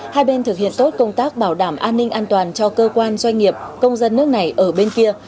hai bên thực hiện tốt công tác bảo đảm an ninh an toàn cho cơ quan doanh nghiệp công dân nước này ở bên kia